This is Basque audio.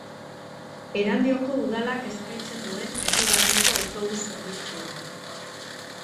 Erandioko udalak eskaintzen duen herri barneko autobus zerbitzua da.